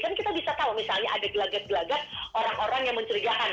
kan kita bisa tahu misalnya ada gelagat gelagat orang orang yang mencurigakan